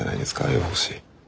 予報士。